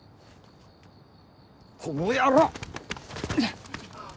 この野郎！